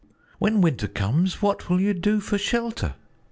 When winter comes what will you do for shelter?